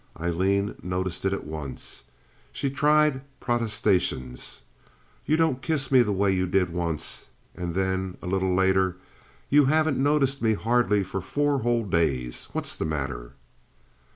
Aileen noticed it at once. She tried protestations. "You don't kiss me the way you did once," and then a little later, "You haven't noticed me hardly for four whole days. What's the matter?"